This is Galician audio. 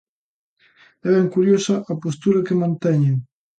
É ben curiosa a postura que manteñen.